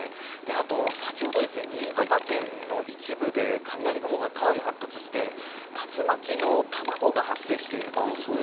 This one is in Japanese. あと、先ほど新潟県の一部で雷雲がかなり発達して竜巻の卵が発生しているという。